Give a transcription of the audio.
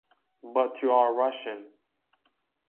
But you’re Russian.